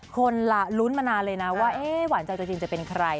คนหละรุ้นมานานเลยว่าวะหวานเจ้าจากจีนเป็นใคร